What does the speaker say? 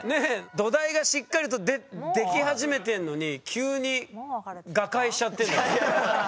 土台がしっかりとでき始めてんのに急に瓦解しちゃってんだよ。